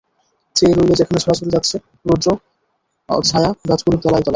চেয়ে রইল যেখানে ছড়াছড়ি যাচ্ছে রৌদ্র ছায়া গাছগুলোর তলায় তলায়।